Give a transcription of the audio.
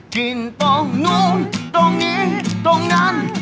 กินตรงนู้นตรงนี้ตรงนั้น